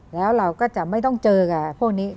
แล้วเราก็จะไม่ต้องเจอกับพวกนี้